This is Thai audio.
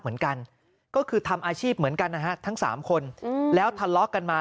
เหมือนกันก็คือทำอาชีพเหมือนกันนะฮะทั้งสามคนแล้วทะเลาะกันมา